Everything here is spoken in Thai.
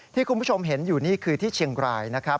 ที่คุณผู้ชมเห็นอยู่นี่คือที่เชียงรายนะครับ